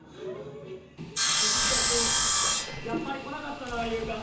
しっかしやっぱり来なかったなユウカ。